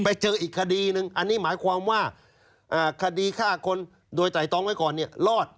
ไปเจออีกคดีนึงอันนี้หมายความว่าคดีฆ่าคนโดยไตรตองไว้ก่อนเนี่ยรอด